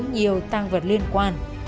nhiều tăng vật liên quan